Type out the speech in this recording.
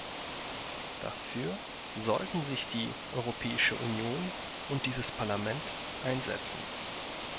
Dafür sollten sich die Europäische Union und dieses Parlament einsetzen!